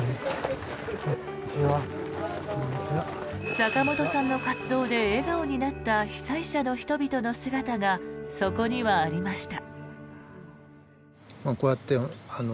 坂本さんの活動で笑顔になった被災者の人々の姿がそこにはありました。